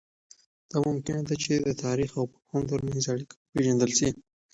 دا ممکنه ده چې د تاریخ او مفهوم ترمنځ اړیکه وپېژندل سي.